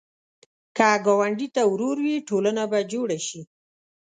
که ګاونډي ته ورور وې، ټولنه به جوړه شي